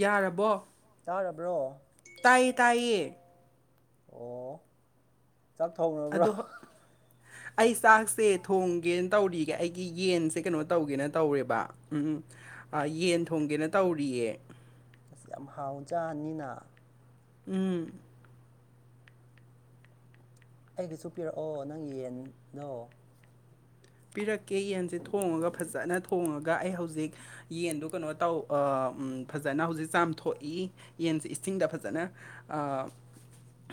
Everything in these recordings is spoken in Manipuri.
ꯌꯥꯔꯕꯣ ꯇꯥꯔꯕ꯭ꯔꯣ ꯇꯥꯏ ꯇꯥꯏꯌꯦ ꯑꯣ ꯆꯥꯛ ꯊꯣꯛꯅꯕ꯭ꯔꯣ ꯑꯗꯣ ꯍ- ꯑꯩ ꯆꯥꯛꯁꯦ ꯊꯣꯡꯒꯦꯅ ꯇꯧꯔꯤꯒꯦ ꯑꯩꯒꯤ ꯌꯦꯟꯁꯦ ꯀꯩꯅꯣ ꯇꯧꯒꯦꯅ ꯇꯧꯔꯦꯕ ꯎꯝ ꯎ ꯌꯦꯟ ꯊꯣꯡꯒꯦꯅ ꯇꯧꯔꯤꯌꯦ ꯑꯁꯤ ꯌꯥꯝ ꯍꯥꯎ ꯆꯥꯅꯤꯅ ꯎꯝ ꯑꯩꯒꯤꯁꯨ ꯄꯤꯔꯛꯑꯣ ꯅꯪ ꯌꯦꯟꯗꯣ ꯄꯤꯔꯛꯀꯦ ꯌꯦꯟꯁꯦ ꯊꯣꯡꯉꯒ ꯐꯖꯅ ꯊꯣꯡꯉꯒ ꯑꯩ ꯍꯧꯖꯤꯛ ꯌꯦꯟꯗꯨ ꯀꯩꯅꯣ ꯇꯧ ꯐꯖꯅ ꯍꯧꯖꯤꯛ ꯆꯥꯝꯊꯣꯛꯏ ꯌꯦꯟꯁꯦ ꯏꯁꯤꯡꯗ ꯐꯖꯅ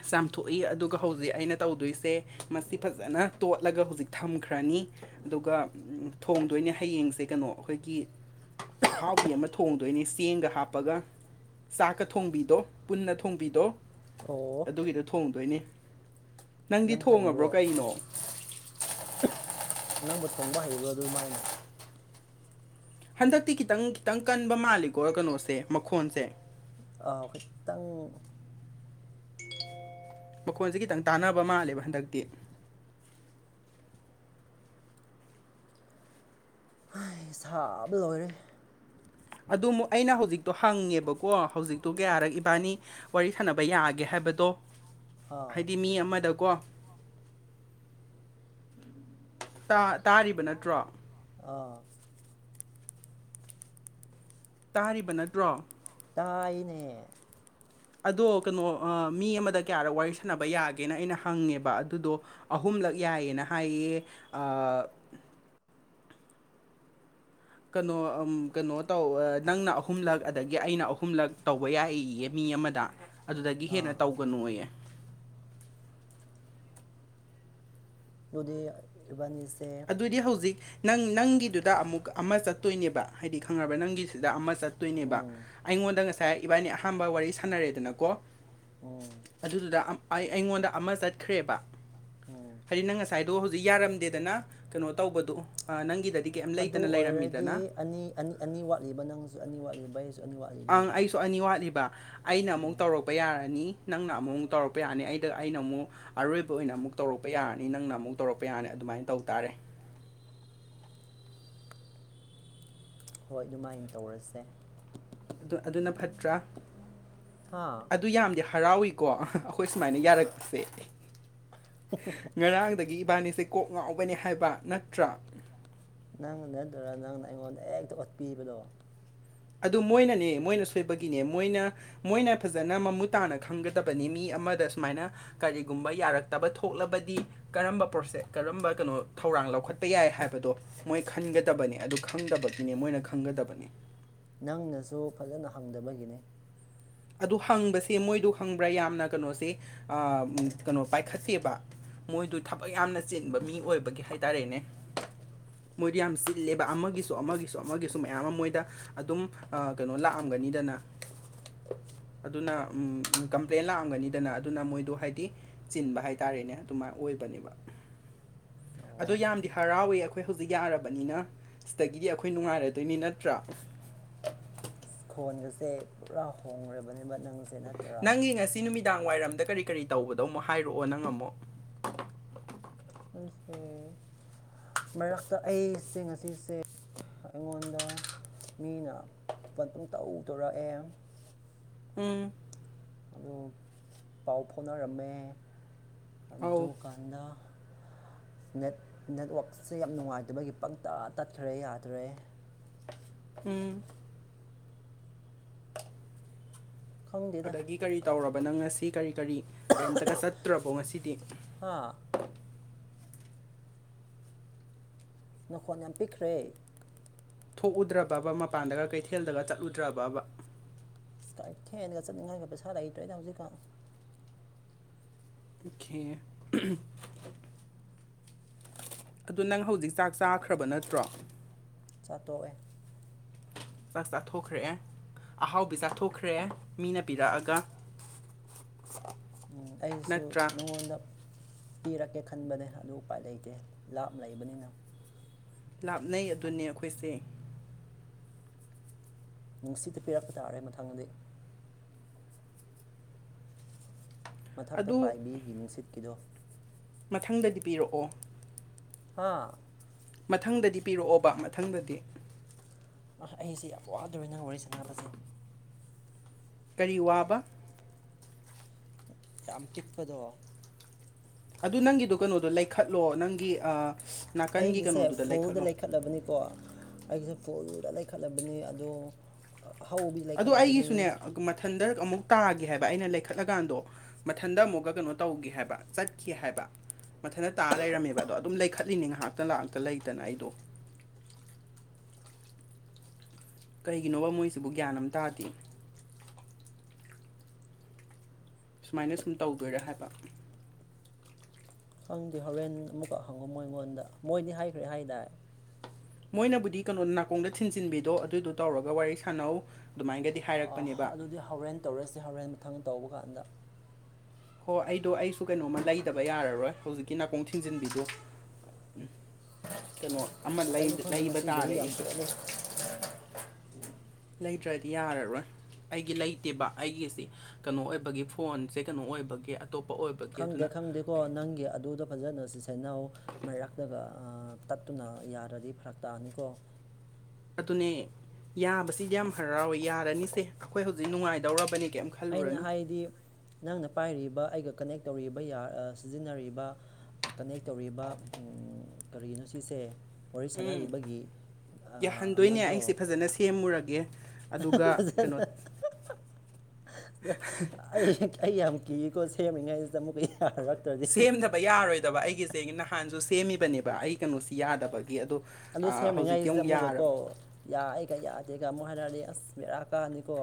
ꯆꯥꯝꯊꯣꯛꯏ ꯑꯗꯨꯒ ꯍꯧꯖꯤꯛ ꯑꯩꯅ ꯇꯧꯗꯣꯏꯁꯦ ꯃꯁꯤ ꯐꯖꯅ ꯇꯣꯠꯂꯒ ꯍꯧꯖꯤꯛ ꯊꯝꯈ꯭ꯔꯅꯤ ꯑꯗꯨꯒ ꯊꯣꯡꯗꯅꯦ ꯍꯌꯦꯡꯁꯦ ꯀꯩꯅꯣ ꯑꯩꯈꯣꯏꯒꯤ ꯑꯍꯥꯎꯕꯤ ꯑꯃ ꯊꯣꯡꯗꯣꯏꯅꯤ ꯆꯦꯡꯒ ꯍꯥꯞꯄꯒ ꯆꯥꯛꯀ ꯊꯣꯡꯕꯤꯗꯣ ꯄꯨꯟꯅ ꯊꯣꯡꯕꯤꯗꯣ ꯑꯣ ꯑꯗꯨꯒꯤꯗ ꯊꯣꯡꯗꯣꯏꯅꯤ ꯅꯪꯗꯤ ꯅꯪ ꯊꯣꯡꯉꯕ꯭ꯔꯣ ꯍꯩꯕ꯭ꯔꯣ ꯀꯩꯅꯣ ꯅꯪꯕꯨ ꯊꯣꯡꯕ ꯍꯩꯕ꯭ꯔꯣ ꯑꯗꯨꯃꯥꯏꯅ ꯍꯟꯗꯛꯇꯤ ꯈꯤꯇꯪ ꯈꯤꯇꯪ ꯀꯟꯕ ꯃꯥꯜꯂꯤꯀꯣ ꯀꯩꯅꯣꯁꯦ ꯃꯈꯣꯟꯁꯦ ꯈꯤꯠꯇꯪ ꯃꯈꯣꯟꯁꯦ ꯈꯤꯇꯪ ꯇꯥꯟꯅꯕ ꯃꯥꯜꯂꯦꯕ ꯍꯟꯗꯛꯇꯤ ꯁꯥꯕ ꯂꯣꯏꯔꯦ ꯑꯗꯨꯨ ꯑꯩꯅ ꯍꯧꯖꯤꯛꯇꯣ ꯍꯪꯉꯦꯕꯀꯣ ꯍꯧꯖꯤꯛꯇꯣ ꯀꯌꯥꯔꯛ ꯏꯕꯥꯅꯤ ꯋꯥꯔꯤ ꯁꯥꯟꯅꯕ ꯌꯥꯒꯦ ꯍꯥꯏꯕꯗꯣ ꯑꯥ ꯍꯥꯏꯗꯤ ꯃꯤ ꯑꯃꯗꯀꯣ ꯇꯥꯔꯤꯕ ꯅꯠꯇ꯭ꯔꯣ ꯑꯥ ꯇꯥꯔꯤꯕ ꯅꯠꯇ꯭ꯔꯣ ꯇꯥꯏꯅꯦ ꯑꯗꯣ ꯀꯩꯅꯣ ꯃꯤ ꯑꯃꯗ ꯀꯌꯥꯗ ꯋꯥꯔꯤ ꯁꯥꯟꯅꯕ ꯌꯥꯒꯦꯅ ꯑꯩꯅ ꯍꯪꯉꯦꯕ ꯑꯗꯨꯗꯣ ꯑꯍꯨꯝ ꯁꯂꯛ ꯌꯥꯏꯌꯦꯅ ꯍꯥꯏꯌꯦ [inaudible] ꯀꯩꯅꯣ ꯀꯩꯅꯣ ꯇꯧ ꯅꯪꯅ ꯑꯍꯨꯝꯂꯛ ꯑꯗꯒꯤ ꯑꯩꯅ ꯑꯍꯨꯝꯂꯛ ꯇꯧꯕ ꯌꯥꯏ ꯃꯤ ꯑꯃꯗ ꯑꯗꯨꯗꯒꯤ ꯍꯦꯟꯅ ꯑꯥ ꯇꯧꯒꯅꯨꯌꯦ ꯃꯗꯤꯕꯥꯅꯤ ꯑꯗꯨꯗꯤ ꯍꯧꯖꯤꯛ ꯅꯪ ꯅꯪꯒꯤꯗꯨꯗ ꯑꯃꯨꯛ ꯑꯃ ꯆꯠꯇꯣꯏꯅꯦꯕ ꯍꯥꯏꯗꯤ ꯈꯪꯉꯕ ꯅꯪꯒꯤꯁꯤꯗ ꯑꯃ ꯆ ꯆꯠꯇꯣꯏꯅꯦꯕ ꯑꯩꯉꯣꯟꯗ ꯉꯁꯥꯏ ꯏꯕꯥꯅꯤ ꯑꯍꯥꯟꯕ ꯋꯥꯔꯤ ꯁꯥꯟꯅꯔꯦꯗꯅꯀꯣ ꯑꯗꯨꯗꯨꯗ ꯑꯩꯉꯣꯟꯗ ꯑꯃ ꯆꯠꯈ꯭ꯔꯦꯕ ꯍꯥꯏꯗꯤ ꯅꯪ ꯉꯁꯥꯏ ꯑꯗꯣ ꯍꯧꯖꯤꯛ ꯌꯥꯔꯝꯗꯦꯗꯅ ꯀꯩꯅꯣ ꯇꯧꯕꯗꯨ ꯅꯪꯒꯤꯗꯗꯤ ꯀꯔꯤ ꯑꯗꯨ ꯂꯩꯇꯅ ꯂꯩꯔꯝꯃꯤꯗꯅ ꯑꯣꯏꯔꯗꯤ ꯑꯅꯤ ꯑꯅꯤ ꯑꯅꯤ ꯋꯥꯠꯂꯤꯕ ꯅꯪꯁꯨ ꯑꯅꯤ ꯋꯥꯠꯂꯤꯕ ꯑꯩꯁꯨ ꯑꯅꯤ ꯑꯪ ꯋꯥꯠꯂꯤꯗꯣꯏꯕ ꯑꯩꯁꯨ ꯑꯅꯤ ꯋꯥꯠꯂꯤꯕ ꯑꯩꯅ ꯑꯃꯨꯛ ꯇꯧꯔꯛꯄ ꯌꯥꯔꯅꯤ ꯅꯪꯅ ꯑꯃꯨꯛ ꯑꯃꯨꯛ ꯇꯧꯔꯛꯄ ꯌꯥꯅꯤ ꯑꯩꯗ ꯑꯩꯅ ꯑꯃꯨꯛ ꯑꯔꯣꯏꯕ ꯑꯣꯏꯅ ꯑꯃꯨꯛ ꯇꯧꯔꯛꯄ ꯌꯥꯔꯅꯤ ꯅꯪꯅ ꯑꯃꯨꯛ ꯇꯧꯔꯛꯄ ꯌꯥꯅꯤ ꯑꯗꯨꯃꯥꯏꯅ ꯇꯧ ꯇꯥꯔꯦ [inaudible] ꯍꯣꯏ ꯑꯗꯨꯃꯥꯏꯅ ꯇꯧꯔꯁꯦ ꯑꯗꯨꯅ ꯐꯠꯇ꯭ꯔꯥ ꯍꯥ ꯑꯗꯨ ꯌꯥꯝꯗꯤ ꯍꯔꯥꯎꯋꯤꯀꯣ ꯑꯩꯈꯣꯏ ꯁꯨꯃꯥꯏꯅ ꯌꯥꯔꯛꯄꯁꯦ ꯉꯔꯥꯡꯗꯒꯤ ꯏꯕꯥꯅꯤꯁꯦ ꯀꯣꯛ ꯉꯥꯎꯒꯅꯤ ꯍꯥꯏꯕ ꯅꯠꯇ꯭ꯔꯥ ꯅꯪꯅ ꯅꯠꯇꯔꯥ ꯅꯪꯅ ꯑꯩꯉꯣꯟꯗ ꯍꯦꯛꯇ ꯑꯣꯠꯄꯤꯕꯗꯣ ꯑꯗꯨ ꯃꯣꯏꯅꯅꯦ ꯃꯣꯏꯅ ꯁꯣꯏꯕꯒꯤꯅꯦ ꯃꯣꯏꯅ ꯃꯣꯏꯅ ꯐꯖꯅ ꯃꯃꯨꯠ ꯇꯥꯅ ꯈꯪꯒꯗꯕꯅꯤ ꯃꯤ ꯑꯃꯗ ꯁꯨꯃꯥꯏꯅ ꯀꯔꯤꯒꯨꯝꯕ ꯌꯥꯔꯛꯇꯕ ꯊꯣꯛꯂꯕꯗꯤ ꯀꯔꯝꯕ ꯄ꯭ꯔꯣꯁꯦ ꯀꯔꯝꯕ ꯀꯩꯅꯣ ꯊꯧꯔꯛ ꯄꯧꯔꯥꯡ ꯂꯧꯈꯠꯄ ꯌꯥꯏ ꯍꯥꯏꯕꯗꯣ ꯃꯣꯏ ꯈꯟꯒꯗꯕꯅꯤ ꯑꯗꯨ ꯈꯪꯗꯕꯒꯤꯅꯤ ꯃꯣꯏꯅ ꯈꯪꯒꯗꯕꯅꯤ ꯅꯪꯅꯁꯨ ꯐꯖꯅ ꯍꯪꯗꯕꯒꯤꯅꯤ ꯑꯗꯨ ꯍꯪꯕꯁꯦ ꯃꯣꯏꯗ ꯍꯪꯕ꯭ꯔꯥ ꯌꯥꯝꯅ ꯀꯩꯅꯣꯁꯦ ꯀꯩꯅꯣ ꯄꯥꯏꯈꯠꯇꯦꯕ ꯃꯣꯏꯗꯨ ꯊꯕꯛ ꯌꯥꯝꯅ ꯆꯤꯟꯕ ꯃꯤ ꯑꯣꯏꯕꯒꯤ ꯍꯥꯏ ꯇꯔꯦꯅꯦ ꯃꯣꯏꯗꯤ ꯌꯥꯝ ꯆꯤꯜꯂꯦꯕ ꯑꯃꯒꯤꯁꯨ ꯑꯃꯒꯤꯁꯨ ꯑꯃꯒꯤꯁꯨ ꯃꯌꯥꯝ ꯑꯃ ꯃꯣꯏꯗ ꯑꯗꯨꯝ ꯀꯩꯅꯣ ꯂꯥꯛꯑꯝꯕ ꯐꯝꯒꯅꯤꯗꯅ [inaudible] ꯑꯗꯨꯅ ꯀꯝꯄ꯭ꯂꯦꯟ ꯂꯥꯛꯑꯝꯒꯅꯤꯗꯅ ꯑꯗꯨꯅ ꯃꯣꯏꯗꯣ ꯍꯥꯏꯗꯤ ꯆꯤꯟꯕ ꯍꯥꯏꯇꯥꯔꯦꯅꯦ ꯑꯗꯨꯃꯥꯏꯅ ꯑꯣꯏꯕ ꯟꯋꯥꯗ ꯑ ꯑꯗꯣ ꯌꯥꯝꯗꯤ ꯍꯔꯥꯎꯋꯦ ꯑꯩꯈꯣꯏ ꯍꯧꯖꯤꯛ ꯌꯥꯔꯕꯅꯤꯅ ꯁꯤꯗꯒꯤꯗꯤ ꯑꯩꯈꯣꯏ ꯅꯨꯡꯉꯥꯏꯔꯗꯣꯏꯅꯤ ꯅꯠꯇ꯭ꯔꯥ [inaudible] ꯐꯣꯟꯒꯁꯦ ꯄꯨꯔꯥ ꯍꯣꯡꯈ꯭ꯔꯕꯅꯦꯕ ꯅꯪꯁꯦ ꯅꯠꯇꯔꯥ ꯅꯪꯒꯤ ꯉꯁꯤ ꯅꯨꯃꯤꯗꯥꯡ ꯋꯥꯏꯔꯝꯗ ꯀꯔꯤ ꯀꯔꯤ ꯇꯧꯕꯗꯧ ꯑꯃꯨꯛ ꯍꯥꯏꯔꯛꯑꯣ ꯅꯪ ꯑꯃꯨꯛ ꯃꯔꯛꯇ ꯑꯩꯁꯦ ꯉꯁꯤꯁꯦ ꯑꯩꯉꯣꯟꯗ ꯃꯤꯅ ꯃꯇꯨꯡꯨꯡ ꯇꯧ ꯇꯣꯔꯛꯑꯦ ꯎꯝ ꯑꯗꯨ ꯄꯥꯎ ꯐꯥꯎꯅꯔꯝꯃꯦ ꯑꯧ ꯑꯗꯨꯀꯥꯟꯗ ꯑ ꯅꯦꯠ ꯅꯦꯠꯋꯥꯛꯁꯦ ꯌꯥꯝ ꯅꯨꯡꯉꯥꯏꯗ ꯃꯣꯏꯒꯤ ꯄꯪꯇ ꯇꯠꯈ꯭ꯔꯦ ꯌꯥꯗ꯭ꯔꯦ ꯎꯝ ꯈꯪꯗꯦꯗ ꯑꯗꯒꯤ ꯀꯔꯤ ꯇꯧꯔꯕ ꯅꯪ ꯉꯁꯤ ꯀꯔꯤ ꯀꯔꯤ ꯀꯔꯤꯝꯇꯒ ꯆꯠꯇ꯭ꯔꯕꯣ ꯉꯁꯤꯗꯤ ꯍꯥ ꯅꯈꯣꯠ ꯌꯥꯝ ꯄꯤꯛꯈ꯭ꯔꯦ ꯊꯣꯛꯎꯨꯗ꯭ꯔꯕꯕ ꯃꯄꯥꯟꯗꯒ ꯀꯩꯊꯦꯜꯗꯒ ꯆꯠꯂꯨꯗ꯭ꯔꯕꯕ ꯑꯁꯥꯏ ꯊꯦꯟꯅꯒ ꯆꯠꯅꯤꯡꯉꯥꯏꯒ ꯄꯩꯁꯥ ꯂꯩꯇ꯭ꯔꯣꯏꯅꯦ ꯍꯧꯖꯤꯛꯀꯥꯟ ꯈꯦ ꯑꯗꯨ ꯅꯪ ꯍꯧꯖꯤꯛ ꯆꯥꯛ ꯆꯥꯈ꯭ꯔꯕ ꯅꯠꯇ꯭ꯔꯣ ꯆꯥꯠꯇꯣꯛꯑꯦ ꯆꯥꯛ ꯆꯥꯊꯣꯛꯈ꯭ꯔꯑꯦ ꯑꯍꯥꯎꯕꯤ ꯆꯥꯊꯣꯛꯈ꯭ꯔꯑꯦ ꯃꯤꯅ ꯄꯤꯔꯛꯑꯒ [inaudible] [unintelligible] ꯑꯩꯁꯨ ꯅꯠꯇ꯭ꯔꯥ ꯅꯪꯉꯣꯟꯗ ꯄꯤꯔꯛꯀꯦ ꯈꯟꯕꯅꯦ ꯑꯗꯨ ꯎꯄꯥꯏ ꯂꯩꯇꯦ ꯂꯥꯞ ꯂꯩꯕꯅꯤꯅ ꯂꯥꯞꯅꯩ ꯑꯗꯨꯅꯦ ꯑꯩꯈꯣꯏꯁꯦ ꯅꯨꯡꯁꯤꯠꯇ ꯄꯤꯔꯛꯄ ꯇꯥꯔꯦ ꯃꯊꯪꯗꯤ ꯃꯊꯛꯇ ꯑꯗꯨ ꯄꯥꯏꯕꯤꯒꯤ ꯅꯤꯡꯁꯤꯠꯀꯤꯗꯣ ꯃꯊꯪꯗꯗꯤ ꯄꯤꯔꯛꯑꯣ ꯍꯥ ꯃꯊꯪꯗꯗꯤ ꯄꯤꯔꯛꯑꯣꯕ ꯃꯊꯪꯗꯗꯤ ꯑꯩꯁꯦ ꯌꯥꯝ ꯋꯥꯗꯔꯅꯤ ꯅꯪ ꯋꯥꯔꯤ ꯁꯥꯟꯅꯕꯁꯦ ꯀꯔꯤ ꯋꯥꯕ ꯌꯥꯝ ꯄꯤꯛꯄꯗꯣ ꯑꯗꯨ ꯅꯪꯒꯤꯗꯣ ꯀꯩꯅꯣꯗꯣ ꯂꯩꯈꯠꯂꯣ ꯅꯪꯒꯤ ꯅꯥꯀꯟꯒꯤ ꯑꯩꯒꯤꯁꯦ ꯀꯩꯅꯣꯗꯨꯗ ꯐꯣꯜꯗ ꯂꯩꯈꯠꯂꯣ ꯂꯩꯈꯠꯂꯕꯅꯤꯣ ꯀꯣ ꯑꯩꯁꯦ ꯄꯨꯜꯗ ꯂꯩꯈꯠꯂꯕꯅꯤ ꯑꯗꯣ ꯍꯧꯕꯤ ꯑꯗꯨ ꯂꯩꯈꯠꯂꯕꯅꯤ ꯑꯩꯒꯤꯁꯨꯅꯦ ꯃꯊꯟꯗ ꯑꯃꯨꯛ ꯇꯥꯒꯦ ꯍꯥꯏꯕ ꯑꯩꯅ ꯂꯩꯈꯠꯂꯀꯥꯟꯗꯣ ꯃꯊꯟꯗ ꯑꯃꯨꯛꯀ ꯀꯩꯅꯣ ꯇꯧꯒꯦ ꯍꯥꯏꯕ ꯆꯠꯀꯦ ꯍꯥꯏꯕ ꯃꯊꯇ ꯇꯥ ꯂꯩꯔꯝꯃꯦꯕ ꯑꯗꯣ ꯑꯗꯨꯝ ꯂꯩꯈꯠꯂꯤꯅꯤ ꯉꯥꯏꯍꯥꯛꯇ ꯉꯥꯛꯥꯛꯇ ꯂꯩꯇꯅ ꯑꯩꯗꯣ [inaudible] [unintelligible] ꯀꯔꯤꯒꯤꯅꯣꯕ ꯃꯣꯏꯁꯤꯕꯨ ꯒ꯭ꯌꯥꯟ ꯑꯃ ꯇꯥꯗꯦ ꯁꯨꯃꯥꯏꯅ ꯁꯨꯝ ꯇꯧꯗꯣꯏꯔꯥ ꯍꯥꯏꯕ ꯈꯪꯗꯦ ꯍꯣꯔꯦꯟ ꯑꯃꯨꯛꯀꯛ ꯍꯪꯉꯣ ꯃꯣꯏ ꯑꯩꯉꯣꯟꯗ ꯃꯣꯏꯗꯤ ꯍꯥꯏꯈ꯭ꯔꯦ ꯍꯥꯏꯗꯥꯏ ꯃꯣꯏꯅꯕꯨꯗꯤ ꯀꯩꯅꯣ ꯅꯥꯀꯣꯡꯗ ꯊꯤꯟꯖꯤꯟꯕꯤꯗꯣ ꯑꯗꯨꯗꯨꯣ ꯇꯧꯔꯒ ꯋꯥꯔꯤ ꯁꯥꯟꯅꯧ ꯑꯗꯨꯃꯥꯏꯅꯒꯗꯤ ꯍꯥꯏꯔꯛꯄꯅꯦꯕ ꯑꯗꯨꯗꯤ ꯍꯣꯔꯦꯟ ꯇꯧꯔꯁꯤ ꯍꯣꯔꯦꯟ ꯃꯊꯪ ꯇꯧꯕ ꯀꯥꯟꯗ ꯍꯣꯏ ꯑꯩꯗꯣ ꯑꯩꯁꯨ ꯀꯩꯅꯣꯝꯃ ꯂꯩꯗꯕ ꯌꯥꯔꯔꯣꯏ ꯍꯧꯖꯤꯛꯀꯤ ꯅꯥꯀꯣꯡ ꯊꯤꯡꯖꯤꯟꯕꯤꯗꯣ ꯎꯝ ꯀꯩꯅꯣ ꯑꯃ ꯀꯩꯅꯣ ꯈꯪꯗꯦ ꯂꯩꯕ ꯉꯁꯤ ꯒꯥꯔꯤ ꯇꯥꯔꯦ ꯌꯥꯝ ꯑꯩꯁꯨꯦ ꯆꯦꯜꯂꯦ ꯂꯩꯇ꯭ꯔꯗꯤ ꯌꯥꯔꯔꯣꯏ ꯑꯩꯒꯤ ꯂꯩꯇꯦꯕ ꯑꯩꯒꯤꯁꯤꯦ ꯀꯩꯅꯣ ꯑꯣꯏꯕꯒꯤ ꯐꯣꯟꯁꯦ ꯀꯩꯅꯣ ꯑꯣꯏꯕ ꯈꯪꯗꯦ ꯈꯪꯗꯦꯀꯣ ꯅꯪꯒꯤ ꯑꯗꯨꯗꯣ ꯐꯖꯅ ꯁꯤ ꯁꯅꯥꯧ ꯃꯩꯔꯛꯂꯒ ꯇꯠꯇꯨꯅ ꯌꯥꯔꯗꯤ ꯐꯔꯛ ꯇꯥꯑꯅꯤꯀꯣ ꯑꯗꯨꯅꯦ ꯌꯥꯕꯁꯤꯗꯤ ꯌꯥꯝ ꯍꯔꯥꯎꯋꯦ ꯌꯥꯔꯅꯤꯁꯦ ꯑꯩꯈꯣꯏ ꯍꯧꯖꯤꯛ ꯅꯨꯡꯉꯥꯏꯗꯧꯔꯕꯅꯤ ꯑꯩꯅ ꯍꯥꯏꯗꯤ ꯅꯪꯅ ꯄꯥꯏꯔꯤꯕ ꯑꯩꯒ ꯀꯅꯦꯛ ꯇꯧꯔꯤꯕ ꯁꯤꯖꯤꯟꯅꯔꯤꯕ ꯀꯅꯦꯛ ꯇꯧꯔꯤꯕ ꯀꯔꯤꯒꯤꯅꯣ ꯁꯤꯁꯦ ꯋꯥꯔꯤ ꯎꯝ ꯁꯥꯟꯅꯔꯤꯕꯒꯤ ꯌꯥꯍꯟꯗꯣꯏꯅꯦ ꯃꯗꯣ ꯑꯩꯁꯦ ꯐꯖꯅ ꯁꯦꯝꯃꯨꯔꯒꯦ ꯑꯗꯨꯒ ꯀꯩꯅꯣ ꯐꯖꯅ ꯑꯩ ꯑꯩ ꯌꯥꯝ ꯀꯤꯏꯀꯣ ꯁꯦꯝꯃꯤꯉꯩꯁꯤꯗ ꯑꯃꯨꯛꯀ ꯔꯛꯇ꯭ꯔꯗꯤ ꯌꯥꯗꯕ ꯑꯩꯒꯤꯁꯦ ꯅꯍꯥꯟꯁꯨ ꯁꯦꯝꯃꯤꯕꯅꯦꯕ ꯑꯩ ꯀꯩꯅꯣꯁꯤ ꯌꯥꯗꯕ ꯑꯗꯨ ꯁꯦꯝꯔꯤꯉꯥꯏꯁꯤꯗ ꯑꯃꯨꯛꯒꯀꯣ ꯌꯥꯏ ꯀ ꯌꯥ ꯑꯩꯒ ꯑꯃꯨꯛ ꯍꯥꯏꯔꯛꯑꯗꯤ ꯑꯁ ꯃꯦꯔꯥ ꯀꯥꯅꯤꯀꯣ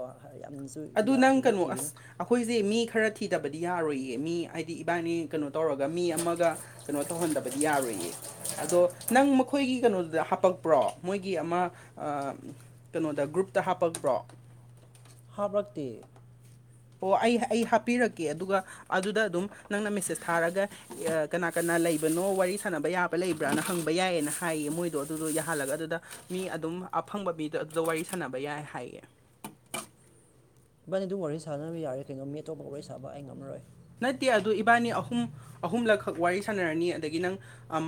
ꯌꯥꯝꯅꯁꯨ ꯑꯗꯨ ꯌꯥ ꯅꯪ ꯀꯩꯅꯣ ꯍꯤꯒꯠꯈꯤꯒꯅꯨ ꯑꯁ ꯑꯩꯈꯣꯏꯁꯦ ꯃꯤ ꯈꯔꯗꯤ ꯊꯤꯗꯕꯗꯤ ꯌꯥꯔꯣꯏꯌꯦ ꯃꯤ ꯍꯥꯏꯗꯤ ꯏꯕꯥꯏꯅꯤ ꯀꯩꯅꯣ ꯇꯧꯔꯒ ꯃꯤ ꯑꯃꯒ ꯀꯩꯅꯣ ꯇꯧꯍꯟꯗꯕꯗꯤ ꯌꯥꯔꯣꯏꯌꯦ ꯑꯗꯣ ꯅꯪ ꯃꯈꯣꯏꯒꯤ ꯀꯩꯅꯣꯗꯨꯗ ꯍꯥꯄꯛꯄ꯭ꯔꯣ ꯃꯣꯏꯒꯤ ꯑꯃ ꯀꯩꯅꯣꯗ ꯗ ꯒ꯭ꯔꯨꯞꯇ ꯍꯥꯞꯄꯛꯄ꯭ꯔꯣ ꯍꯥꯞꯛꯇ ꯑꯣ ꯑꯩ ꯑꯩ ꯍꯥꯞꯄꯤꯔꯛꯀꯦ ꯑꯗꯨꯒ ꯑꯗꯨꯗ ꯑꯗꯨꯝ ꯅꯪꯅ ꯃꯦꯁꯦꯁ ꯊꯥꯔꯒ ꯀꯅꯥ ꯀꯅꯥ ꯂꯩꯕꯅꯣ ꯋꯥꯔꯤ ꯁꯥꯟꯅꯕ ꯌꯥꯕ ꯂꯩꯕ꯭ꯔꯥꯅ ꯍꯪꯕ ꯌꯥꯏꯌꯦꯅ ꯍꯥꯏꯌꯦ ꯃꯣꯏꯗꯣ ꯑꯗꯨꯗꯣ ꯌꯥꯍꯜꯂꯒ ꯑꯗꯨꯗ ꯃꯤ ꯑꯗꯨꯝ ꯑꯐꯪꯕ ꯃꯤꯗ ꯑꯗꯨꯗ ꯋꯥꯔꯤ ꯁꯥꯟꯅꯕ ꯌꯥꯏ ꯍꯥꯏꯌꯦ ꯏꯕꯥꯅꯤ ꯑꯗꯨꯝ ꯋꯥꯔꯤ ꯁꯥꯅꯕ ꯌꯥꯔꯦ ꯀꯩꯅꯣ ꯃꯤ ꯑꯇꯣꯞꯄ ꯂꯣꯏ ꯁꯥꯕ ꯑꯩ ꯉꯝꯃꯔꯣꯏ ꯅꯠꯇꯦ ꯑꯗꯨ ꯏꯕꯥꯅꯤ ꯑꯍꯨꯝ ꯑꯍꯨꯝꯂꯛꯈꯛ ꯋꯥꯔꯤ ꯁꯥꯟꯅꯔꯅꯤ ꯑꯗꯒꯤ ꯅꯪ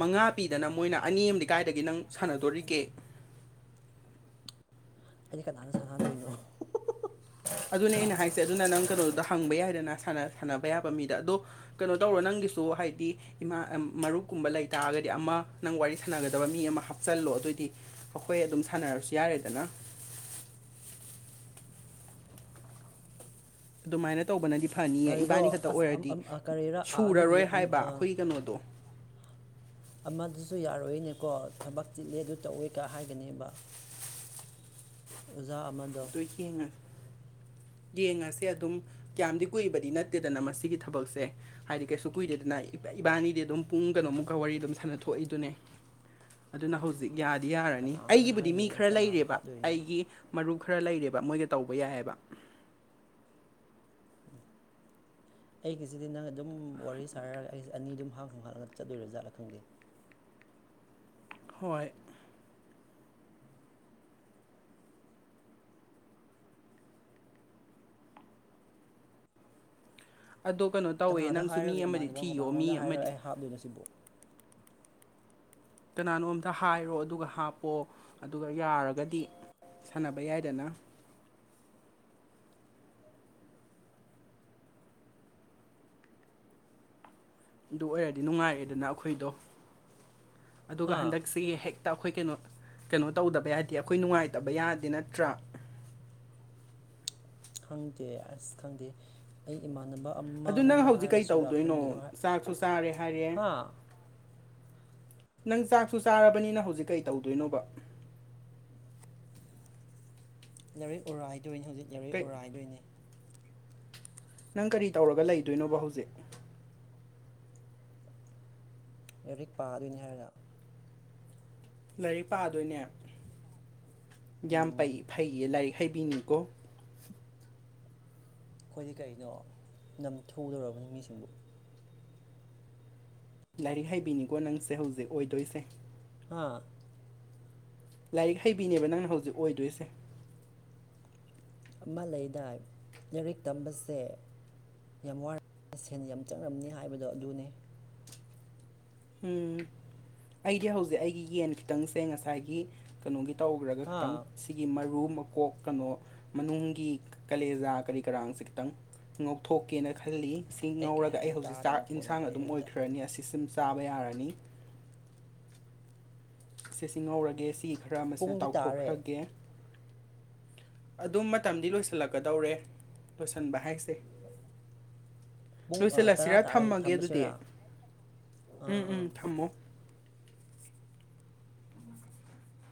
ꯃꯉꯥ ꯄꯤꯗꯅ ꯃꯣꯏ ꯃꯈꯣꯏꯅ ꯑꯅꯤ ꯑꯝ ꯀꯥꯏꯗꯒꯤ ꯅꯪ ꯁꯥꯟꯅꯗꯣꯔꯤꯒꯦ ꯑꯩꯗꯤ ꯀꯅꯥꯗ ꯁꯥꯟꯅꯗꯣꯏꯅꯣ ꯑꯗꯨꯅꯦ ꯑꯩꯅ ꯍꯥꯏꯁꯦ ꯑꯗꯨꯅ ꯅꯪ ꯀꯩꯅꯣꯗꯨꯗ ꯍꯪꯕ ꯌꯥꯏꯗꯅ ꯁꯥꯟꯅꯕ ꯌꯥꯕ ꯃꯤꯗ ꯑꯗꯣ ꯀꯩꯅꯣ ꯇꯧꯔꯣ ꯅꯪ ꯅꯪꯒꯤꯁꯨ ꯍꯥꯏꯗꯤ ꯏꯃꯥ ꯃꯔꯨꯞꯀꯨꯝꯕ ꯂꯩꯇꯥꯥꯔꯒꯗꯤ ꯑꯃ ꯅꯪ ꯋꯥꯔꯤ ꯁꯥꯟꯅꯒꯗꯕ ꯃꯤ ꯑꯃ ꯍꯥꯞꯆꯤꯜꯂꯨ ꯗꯣ ꯑꯗꯨꯑꯣꯏꯗꯤ ꯑꯩꯈꯣꯏ ꯑꯗꯨꯝ ꯁꯥꯟꯅꯔꯁꯨ ꯌꯥꯔꯦꯗꯅ [inaudible] ꯑꯗꯨꯃꯥꯏꯅ ꯇꯧꯕꯅꯗꯤ ꯐꯅꯤꯌꯦ ꯏꯕꯥꯅꯤ ꯀꯔꯤꯔꯣ ꯈꯛꯇ ꯑꯁ ꯑꯝ ꯑꯣꯏꯔꯗꯤ ꯑꯝ ꯑ ꯀꯔꯤꯔꯥ ꯁꯨꯔꯔꯣꯏ ꯑꯥꯗꯒꯤ ꯑꯝ ꯍꯥꯏꯕ ꯑ ꯑꯩꯈꯣꯏꯒꯤ ꯀꯩꯅꯣꯗꯣ ꯑꯃꯗꯨꯁꯨ ꯌꯥꯔꯣꯏꯅꯦꯀꯣ ꯊꯕꯛ ꯆꯤꯜꯂꯦ ꯑꯗꯨ ꯇꯧꯋꯦ ꯀ ꯍꯥꯏꯒꯅꯦꯕ ꯑꯣꯖꯥ ꯑꯃꯗꯣ ꯑꯗꯨ ꯌꯦꯡꯉꯁꯤ [inaudible] ꯌꯦꯡꯉꯁꯦ ꯑꯗꯨꯝ ꯀꯌꯥꯝꯗꯤ ꯀꯨꯏꯕꯗꯤ ꯅꯠꯇꯦꯗꯅ ꯃꯁꯤꯒꯤ ꯊꯕꯛꯁꯦ ꯍꯥꯏꯗꯤ ꯀꯩꯁꯨ ꯀꯨꯏꯗꯦꯗꯅ ꯏꯕꯥꯅꯤꯗꯤ ꯑꯗꯨꯝ ꯄꯨꯡ ꯀꯩꯅꯣꯃꯨꯛꯀ ꯋꯥꯔꯤ ꯑꯗꯨꯝ ꯁꯥꯟꯅ ꯊꯣꯛꯏꯗꯨꯅꯦ ꯑꯗꯨꯅ ꯍꯧꯖꯤꯛ ꯌꯥꯗꯤ ꯌꯥꯔꯅꯤ ꯀꯅꯥꯉꯣꯟꯗ ꯑꯩꯒꯤꯕꯨꯗꯤ ꯃꯤ ꯍꯥꯏꯗꯣꯏꯅꯣ ꯑꯩꯕꯨ ꯈꯔ ꯀꯅꯥꯕꯨ ꯂꯩꯔꯦꯕ ꯍꯥꯞꯇꯣꯏꯅꯣ ꯑꯩꯒꯤ ꯃꯔꯨꯞ ꯃꯣꯏ ꯇꯧꯕ ꯌꯥꯏꯕ [unintelligible] ꯑꯩꯒꯤꯁꯤꯗꯤ ꯅꯪ ꯑꯗꯨꯝ ꯋꯥꯔꯤ ꯁꯥꯔꯒ ꯑꯩꯁꯦ ꯑꯅꯤ ꯑꯗꯨꯝ ꯍꯥꯡ ꯍꯥꯡꯂꯒ ꯆꯠꯗꯣꯏꯔꯦꯖꯥꯠꯂ ꯈꯪꯗꯦ [inaudible] ꯍꯣꯏ ꯑꯗꯣ ꯀꯩꯅꯣ ꯇꯧꯋꯦ ꯀꯅꯥꯗ ꯅꯪꯁꯨ ꯃꯤ ꯍꯥꯏꯔꯒ ꯑꯃꯗꯤ ꯏꯃꯥꯟꯅꯕ ꯑꯃ ꯊꯤꯌꯣ ꯃꯤ ꯀꯅꯥꯉꯣꯟꯗ ꯍꯥꯏꯔꯒ ꯑꯃꯗꯤ ꯑꯩ ꯍꯥꯞꯇꯣꯏꯅꯣ ꯁꯤꯕꯨ ꯀꯅꯥꯅꯣ ꯑꯝꯇ ꯍꯥꯏꯔꯣ ꯑꯗꯨꯒ ꯍꯥꯞꯄꯑꯣ ꯑꯗꯨꯒ ꯌꯥꯔꯒꯗꯤ ꯁꯥꯟꯅꯕ ꯌꯥꯏꯗꯅ ꯑꯗꯨ ꯑꯣꯏꯔꯗꯤ ꯅꯨꯡꯉꯥꯏꯔꯦ ꯑꯗꯨꯅ ꯑꯩꯈꯣꯏꯗꯣ ꯑꯗꯨꯒ ꯍꯥ ꯍꯟꯗꯛꯁꯤꯒꯤ ꯍꯦꯛ ꯇ ꯑꯩꯈꯣꯏ ꯀꯩꯅꯣ ꯀꯩꯅꯣ ꯇꯧꯗꯕ ꯌꯥꯗꯦ ꯑꯩꯈꯣꯏ ꯅꯨꯡꯉꯥꯏꯇꯕ ꯌꯥꯗꯦ ꯅꯠꯇ꯭ꯔꯥ ꯈꯪꯗꯦ ꯑꯁ ꯈꯪꯗꯦ ꯑꯩ ꯏꯃꯥꯟꯅꯕ ꯑꯗꯨ ꯅꯪ ꯑꯃꯉꯣꯟꯗ ꯍꯧꯖꯤꯛ ꯀꯩ ꯍꯥꯏꯔꯁꯤꯔꯥ ꯇꯧꯗꯣꯏꯅꯣ ꯈꯪꯗꯦ ꯑꯗꯨ ꯆꯥꯛꯁꯨ ꯆꯥꯔꯦ ꯍꯥꯏꯔꯦ ꯍꯥ ꯅꯪ ꯆꯥꯛꯁꯨ ꯆꯥꯔꯕꯅꯤꯅ ꯍꯧꯖꯤꯛ ꯀꯩ ꯇꯧꯗꯣꯏꯅꯣꯕ ꯂꯧꯔꯣꯏ ꯎꯔꯥꯏꯗꯣꯏꯅꯤ ꯍꯧꯖꯤꯛ ꯂꯧꯔꯣꯏ ꯀꯩ ꯎꯔꯥꯏꯗꯣꯏꯅꯤ ꯅꯪ ꯀꯔꯤ ꯇꯧꯔꯒ ꯂꯩꯗꯣꯏꯅꯣꯕ ꯍꯧꯖꯤꯛ ꯂꯥꯏꯔꯤꯛ ꯄꯥꯗꯣꯏꯅꯤ ꯍꯥꯏꯔꯒ ꯂꯥꯏꯔꯤꯛ ꯄꯥꯗꯣꯏꯅꯦ ꯌꯥꯝꯩ ꯐꯩꯌꯦ ꯂꯥꯏꯔꯤꯛ ꯍꯩꯕꯤꯅꯤꯨꯀꯣ ꯑꯩꯈꯣꯏꯗꯤ ꯀꯩꯅꯣ ꯅꯝ ꯊꯣꯛꯨꯗꯨꯔꯕꯅꯤ ꯃꯤꯁꯤꯡꯕꯨ ꯂꯥꯏꯔꯤꯛ ꯍꯩꯕꯤꯅꯤꯀꯣ ꯅꯪꯁꯦ ꯍꯧꯖꯤꯛ ꯑꯣꯏꯗꯣꯏꯁꯦ ꯍꯥꯥ ꯂꯥꯏꯔꯤꯛ ꯍꯩꯕꯤꯅꯦꯕ ꯅꯪꯅ ꯍꯧꯖꯤꯛ ꯑꯣꯏꯗꯣꯏꯁꯦ ꯑꯃ ꯂꯩꯗꯥꯏ ꯂꯥꯏꯔꯤꯛ ꯇꯝꯕꯁꯦ ꯌꯥꯝ ꯋꯥꯔꯝ ꯁꯦꯟ ꯌꯥꯝ ꯆꯪꯂꯝꯝꯅꯤ ꯍꯥꯏꯕꯗꯣ ꯑꯗꯨꯅꯤ ꯎꯝ ꯑꯩꯗꯤ ꯍꯧꯖꯤꯛ ꯑꯩꯒꯤ ꯌꯦꯟ ꯈꯤꯇꯪꯁꯦ ꯉꯁꯥꯏꯒꯤ ꯀꯩꯅꯣꯒꯤ ꯇꯧꯈ꯭ꯔꯒ ꯍꯥ ꯈꯈꯤꯇꯪ ꯁꯤꯒꯤ ꯃꯔꯨ ꯀꯕ ꯀꯣꯛ ꯀꯩꯅꯣ ꯃꯅꯨꯡꯒꯤ ꯀꯂꯦꯖꯥ ꯀꯔꯤ ꯀꯔꯥꯡꯁꯦ ꯈꯤꯇꯪ ꯉꯧꯊꯣꯛꯀꯦꯅ ꯈꯜꯂꯤ ꯑꯁꯤ ꯀꯩ ꯉꯧꯔꯒ ꯑꯩ ꯍꯥꯏꯅꯣ ꯍꯧꯖꯤꯛ ꯇꯥꯗꯦ ꯆꯥꯛ ꯅꯈꯣꯟꯒ ꯏꯟꯁꯥꯡ ꯑꯗꯨꯝ ꯀꯩꯝꯇ ꯑꯣꯏꯈ꯭ꯔꯅꯤ ꯑꯁꯤꯁꯤꯝ ꯆꯥꯕ ꯌꯥꯔꯅꯤ ꯁꯤꯁꯤꯡꯍꯧꯔꯒꯦ ꯁꯤ ꯈꯔ ꯑꯃꯁꯤꯅ ꯄꯨꯡꯗꯤ ꯇꯥꯔꯦ ꯇꯥꯎꯊꯣꯛꯈ꯭ꯔꯒꯦ [inaudible] ꯑꯗꯨꯝ ꯃꯇꯝꯗꯤ ꯂꯣꯏꯁꯤꯜꯂꯛꯀꯗꯧꯔꯦ ꯂꯣꯏꯁꯤꯟꯕ ꯍꯥꯏꯁꯦ ꯄꯨꯡ ꯇꯔꯥ ꯂꯣꯏꯁꯤꯜꯂꯁꯤꯔ ꯇꯥꯔꯦ ꯊꯝꯃꯒꯦ ꯑꯗꯨꯗꯤ ꯊꯝꯃꯁꯤꯔꯥ ꯑꯥ ꯎꯝ ꯑꯥ ꯎꯝ ꯑꯥ ꯊꯝꯃꯣ